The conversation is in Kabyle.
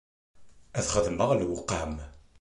Ad xedmeɣ lewqam.